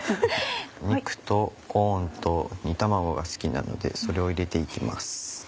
肉とコーンと煮卵が好きなのでそれを入れて行きます。